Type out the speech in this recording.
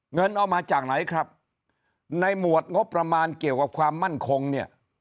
เงินเอามาจากไหนครับในหมวดงบประมาณเกี่ยวกับความมั่นคงเนี่ย